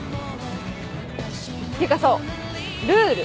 ていうかそうルール。